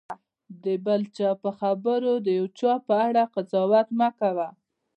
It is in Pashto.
د بل چا په خبرو د یو چا په اړه قضاوت مه کوه.